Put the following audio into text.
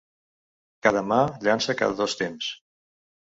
Cada mà llança cada dos temps.